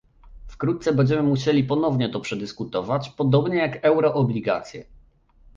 Wkrótce będziemy musieli ponownie to przedyskutować, podobnie jak euroobligacje